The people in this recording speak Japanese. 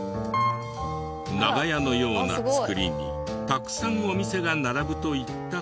長屋のような造りにたくさんお店が並ぶといった感じ。